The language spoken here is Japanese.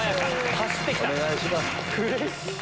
走ってきた。